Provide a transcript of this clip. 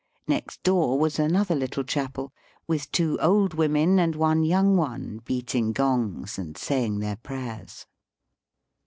Next door was another little chapel with two old women and one young one beat ing gongs and saying their prayers.